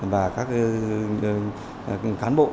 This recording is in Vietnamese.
và các cán bộ